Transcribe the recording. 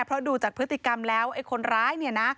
เพราะดูจากพฤติกรรมแล้วไอ้คนร้ายเนี่ยนะ